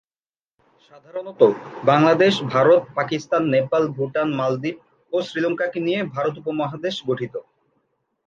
সাধারণতঃ, বাংলাদেশ, ভারত, পাকিস্তান, নেপাল, ভুটান, মালদ্বীপ ও শ্রীলঙ্কাকে নিয়ে ভারত উপমহাদেশ গঠিত।